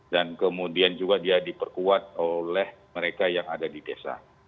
dan kemudian juga dia diperkuat oleh mereka yang ada di desa